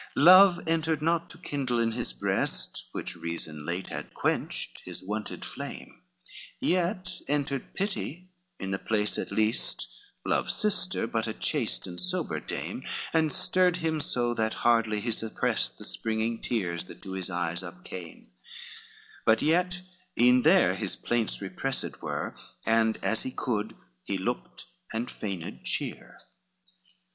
LI Love entered not to kindle in his breast, Which Reason late had quenched, his wonted flame; Yet entered Pity in the place at least, Love's sister, but a chaste and sober dame, And stirred him so, that hardly he suppressed The springing tears that to his eyes up came; But yet even there his plaints repressed were, And, as he could, he looked, and feigned cheer.